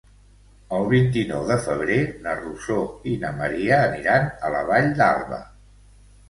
El vint-i-nou de febrer na Rosó i na Maria aniran a la Vall d'Alba.